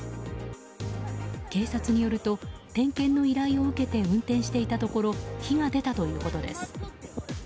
警察によると点検の依頼を受けて運転していたところ火が出たということです。